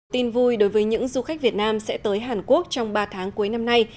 tin vui đối với những du khách việt nam sẽ tới hàn quốc trong ba tháng cuối năm nay